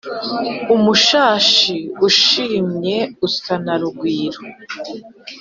Umushashi ushimye usa na Rugwiro.